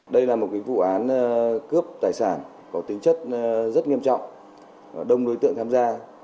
đây là một vụ án cướp tài sản có tính chất rất nghiêm trọng và đông đối tượng tham gia